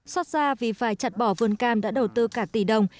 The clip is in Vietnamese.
xót ra vì phải chặt bỏ vườn cam đã đầu tư cả tỷ đồng